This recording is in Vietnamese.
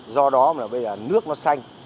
do đó bây giờ nước nó xanh